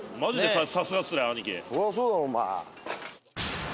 そらそうだろお前。